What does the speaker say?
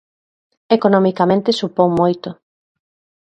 Economicamente supón moito.